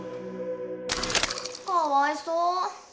かわいそう。